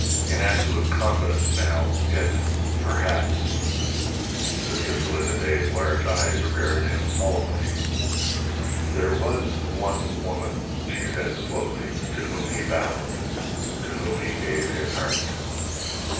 In absolute confidence, now if perhaps Sister Félicité's large eyes regarded him solemnly. "There was one woman," she said, slowly, "to whom he bowed to whom he gave his heart."